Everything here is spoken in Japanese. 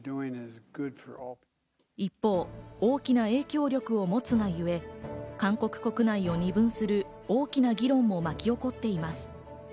一方、大きな影響力を持つが故、韓国国内を２分する大きな議論も巻き起こっています。